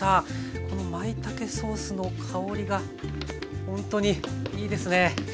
このまいたけソースの香りがほんとにいいですね。